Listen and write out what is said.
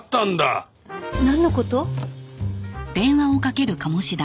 なんの事？